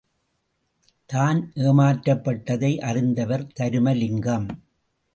தான் ஏமாற்றப்பட்டதை அறிந்தார் தருமலிங்கம்.